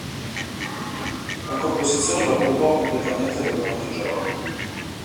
La composizione lo occupò completamente per molti giorni.